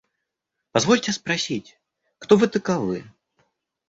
– Позвольте спросить, кто вы таковы?